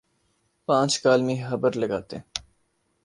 پانچ کالمی خبر لگاتے۔